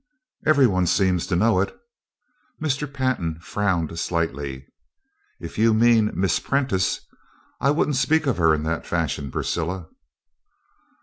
"Everyone seems to know it." Mr. Pantin frowned slightly. "If you mean Miss Prentice, I wouldn't speak of her in that fashion, Priscilla."